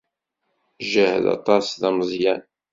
Jaḥeɣ aṭas d ameẓyan.